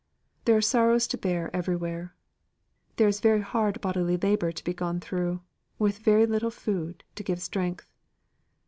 "There are sorrows to bear everywhere. There is very hard bodily labour to be gone through, with very little food to give strength."